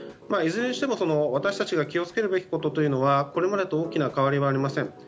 いずれにしても、私たちが気を付けるべきことというのはこれまでと大きな変わりはありません。